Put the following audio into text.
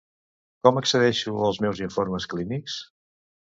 Com accedeixo als meus informes clínics?